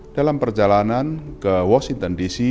dalam perjalanan ke washington dc